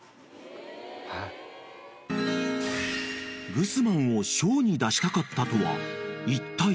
［グスマンをショーに出したかったとはいったい？］